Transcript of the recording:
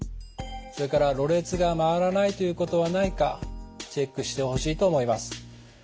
それからろれつが回らないということはないかチェックしてほしいと思います。